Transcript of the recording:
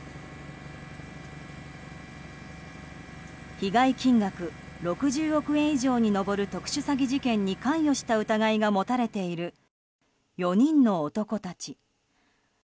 被害金額６０億円以上に上る特殊詐欺事件に関与した疑いが持たれている４人の男たち。